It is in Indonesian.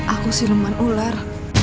aku si leman ular